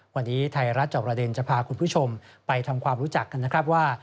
วันนี้ไทยรัฐจอบประเด็นจะพาคุณผู้ชมไปทำความรู้จักกันนะครับว่า